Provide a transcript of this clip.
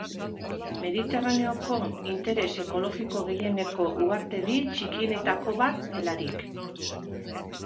Mediterraneoko interes ekologiko gehieneko uhartedi txikietako bat delarik.